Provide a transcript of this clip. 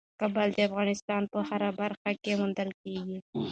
کابل د افغانستان په هره برخه کې موندل کېږي.